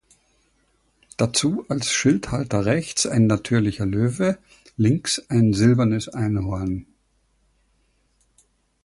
Dazu als Schildhalter rechts ein natürlicher Löwe, links ein silbernes Einhorn.